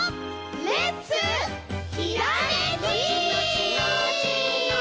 レッツひらめき！